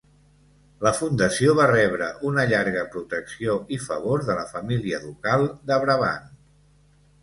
La fundació va rebre una llarga protecció i favor de la família ducal de Brabant.